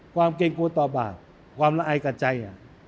ความเกรงกลัวตอบาดความละเอากับใจอ่ะ